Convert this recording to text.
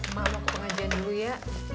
mah mau ke pengajian dulu ya